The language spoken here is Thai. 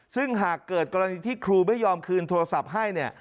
ซึ่งหากเกิดกรณีที่ครูไม่ยอมคืนโทรศัพท์ให้เนี่ย